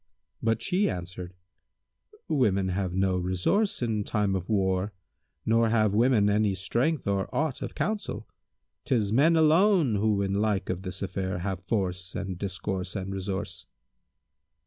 but she answered, "Women have no resource in time of war, nor have women any strength or aught of counsel. 'Tis men alone who in like of this affair have force and discourse and resource."